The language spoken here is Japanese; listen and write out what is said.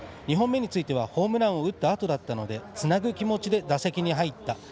２本目についてはホームランを打ったあとだったのでつなぐ気持ちで、打席に入った。